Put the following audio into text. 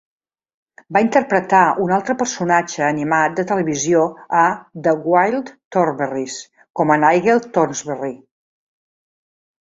Va interpretar un altre personatge animat de televisió a "The Wild Thornberrys" com a Nigel Thornberry.